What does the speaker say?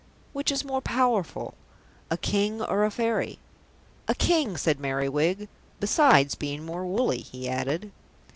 "Which is more powerful, a King or a Fairy?" "A King," said Merriwig. "Besides being more woolly," he added.